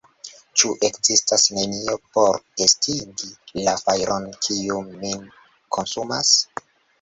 Ĉu ekzistas nenio por estingi la fajron, kiu min konsumas?